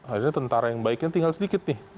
akhirnya tentara yang baiknya tinggal sedikit nih